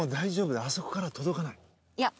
いや。